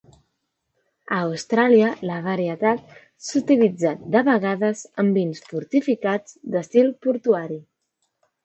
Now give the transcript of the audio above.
A Austràlia, la varietat s'utilitza de vegades en vins fortificats d'estil portuari.